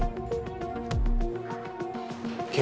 ada apa ini